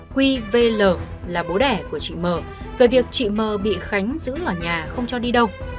huy v l là bố đẻ của chị m về việc chị m bị khánh giữ ở nhà không cho đi đâu